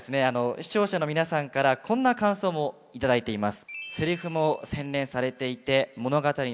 視聴者の皆さんからこんな感想も頂いています。